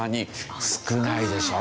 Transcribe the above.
少ないでしょ。